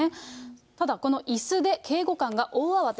ただこのいすで、警護官が大慌て。